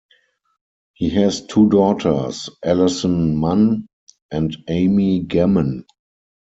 He has two daughters, Allison Mann and Amy Gammon.